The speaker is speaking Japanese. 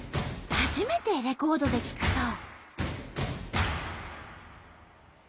初めてレコードで聴くそう。